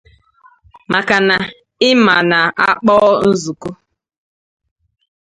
maka na ị ma na a kpọọ nzukọ